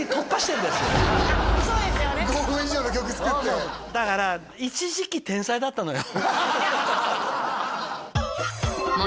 ５分以上の曲作ってだから一時期天才だったのよ